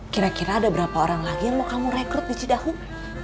kira kira ada berapa orang lagi yang mau kamu rekrut di cidahuk